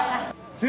nào chú nào